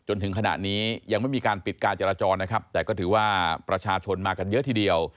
จนถึงขณะนี้ยังไม่มีการปิดการจราจรนะครับแต่ก็ถือว่าประชาชนมากันเยอะทีเดียว